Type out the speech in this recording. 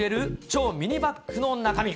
超ミニビッグの中身。